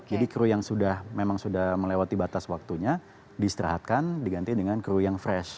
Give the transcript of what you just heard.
jadi kru yang sudah memang sudah melewati batas waktunya diserahkan diganti dengan kru yang fresh